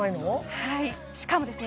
はいしかもですね